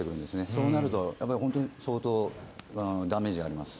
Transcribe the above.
そうなると本当に相当なダメージがあります。